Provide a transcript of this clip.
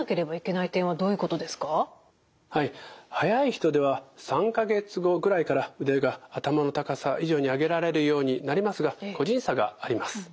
早い人では３か月後ぐらいから腕が頭の高さ以上に上げられるようになりますが個人差があります。